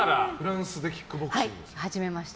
はい、始めました。